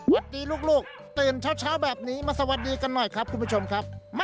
ดีลูกตื่นเช้าแบบนี้มาสวัสดีกันหน่อยครับคุณผู้ชมครับ